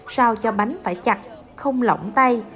sao cho bánh phải chặt không lỏng tay